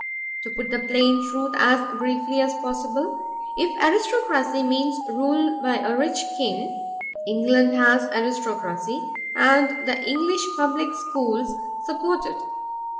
To put the plain truth as briefly as possible, if aristocracy means rule by a rich ring, England has aristocracy and the English public schools support it.